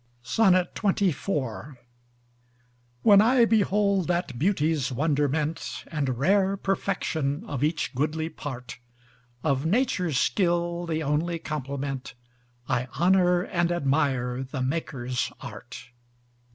XXIV When I behold that beauty's wonderment, And rare perfection of each goodly part; Of nature's skill the only complement, I honor and admire the maker's art.